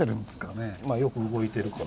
まあ「よく動いてるかな」って。